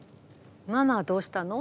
ママはどうしたの？